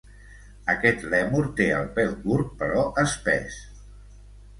Aquest lèmur té el pèl curt però espès.